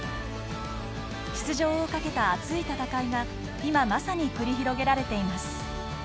出場をかけた熱い戦いが今まさに繰り広げられています。